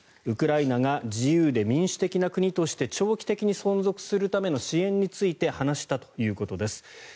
ウクライナが自由で民主的な国として長期的に存続するための支援について話したということです。